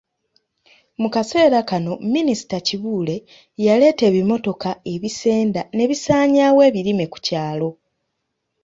Mu kaseera kano Minisita Kibuule yaleeta ebimotoka ebisenda ne bisaanyaawo ebirime ku kyalo.